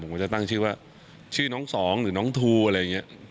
ผมก็จะตั้งชื่อว่าชื่อน้องสองหรือน้องทูอะไรอย่างนี้